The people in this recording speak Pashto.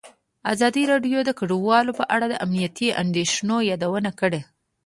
ازادي راډیو د کډوال په اړه د امنیتي اندېښنو یادونه کړې.